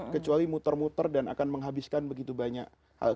kecuali muter muter dan akan menghabiskan begitu banyak hal